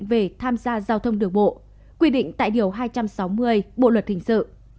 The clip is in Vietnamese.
về tham gia giao thông đường bộ quy định tại điều hai trăm sáu mươi bộ luật hình sự